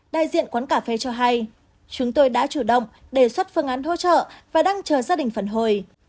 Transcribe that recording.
đại diện quán cà phê cho hay chúng tôi đã chủ động đề xuất phương án hỗ trợ và đang chờ gia đình phản hồi